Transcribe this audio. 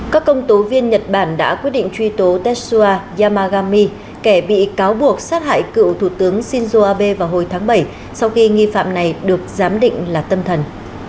các công tố viên nhật bản đã quyết định truy tố testra yamagami kẻ bị cáo buộc sát hại cựu thủ tướng shinzo abe vào hồi tháng bảy sau khi nghi phạm này được giám định là tâm thần